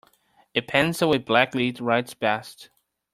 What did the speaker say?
A pencil with black lead writes best.